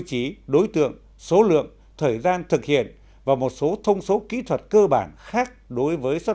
chí đối tượng số lượng thời gian thực hiện và một số thông số kỹ thuật cơ bản khác đối với xuất